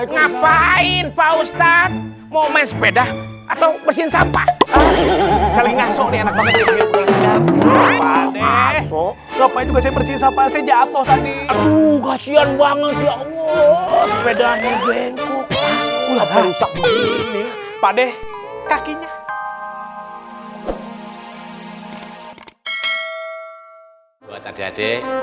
ngapain faustan mau main sepeda atau bersih sampah